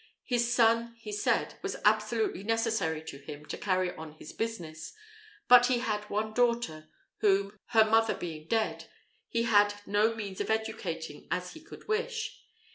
His son, he said, was absolutely necessary to him to carry on his business; but he had one daughter, whom, her mother being dead, he had no means of educating as he could wish.